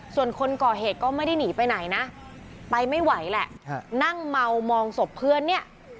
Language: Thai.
ส่วนคนก่อเหตุก็ไม่ได้หนีไปไหนนะไปไม่ไหวแหละนั่งเมามองศพเพื่อนเนี่ย